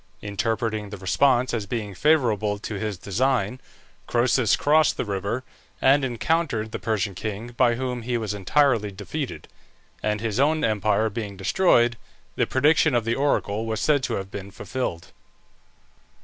Interpreting the response as being favourable to his design, Croesus crossed the river, and encountered the Persian king, by whom he was entirely defeated; and his own empire being destroyed, the prediction of the oracle was said to have been fulfilled.